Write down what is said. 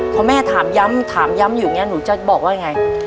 เพราะแม่ถามย้ำถามย้ำอยู่ไง